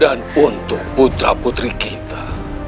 dan untuk putra putri kita